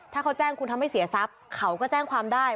ถ้าเขาแจ้งคุณทำให้เสียทรัพย์เขาก็แจ้งความได้